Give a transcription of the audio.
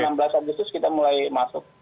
enam belas agustus kita mulai masuk